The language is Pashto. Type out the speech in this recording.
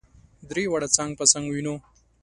درې واړه څنګ په څنګ وینو.